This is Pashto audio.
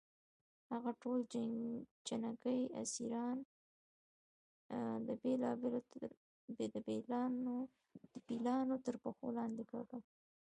هغه ټول جنګي اسیران د پیلانو تر پښو لاندې کړل.